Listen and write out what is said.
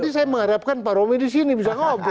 tadi saya mengharapkan pak rawi di sini bisa ngobrol